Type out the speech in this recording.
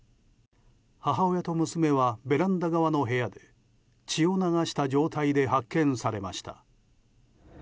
母親と娘はベランダ側の部屋で血を流した状態で発見されました。